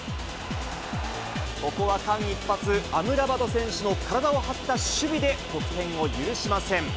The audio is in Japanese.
ここは間一髪、アムラバト選手の体を張った守備で得点を許しません。